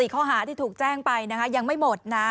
ข้อหาที่ถูกแจ้งไปนะคะยังไม่หมดนะ